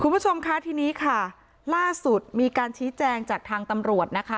คุณผู้ชมคะทีนี้ค่ะล่าสุดมีการชี้แจงจากทางตำรวจนะคะ